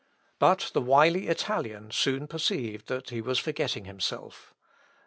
But the wily Italian soon perceived that he was forgetting himself.